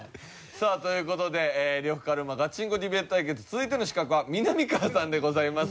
さあという事で呂布カルマガチンコディベート対決続いての刺客はみなみかわさんでございます。